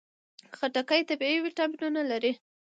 خټکی طبیعي ویټامینونه لري.